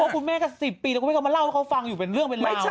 คุณแม่ก็๑๐ปีแล้วคุณแม่ก็มาเล่าให้เขาฟังอยู่เป็นเรื่องเป็นราว